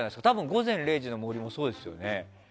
「午前０時の森」もそうですよね。